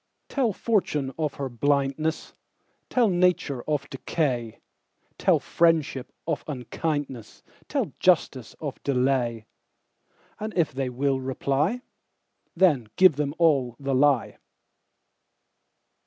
Tell fortune of her blindness; Tell nature of decay; Tell friendship of unkindness; Tell justice of delay; And if they will reply, Then give them all the lie.